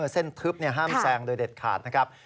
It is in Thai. เส้นทึบห้ามแซงโดยเด็ดขาดนะครับ